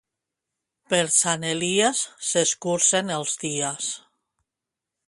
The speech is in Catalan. Per Sant Elies s'escurcen els dies.